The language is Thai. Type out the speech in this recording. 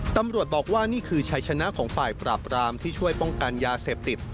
ตำรวจบอกว่านี่คือชัยชนะของฝ่ายปราบรามที่ช่วยป้องกันยาเสพติด